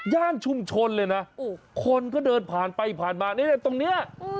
ย่านชุมชนเลยนะคนก็เดินผ่านไปผ่านมานี่ตรงนี้